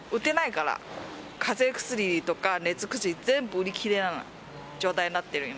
かぜ薬とか熱薬、全部売り切れの状態になってる、今。